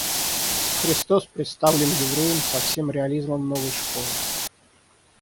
Христос представлен Евреем со всем реализмом новой школы.